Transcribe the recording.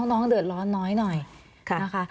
อ๋อน้องเดิดร้อนน้อยนะคะ